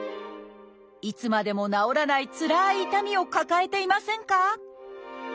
いつまでも治らないつらい痛みを抱えていませんか？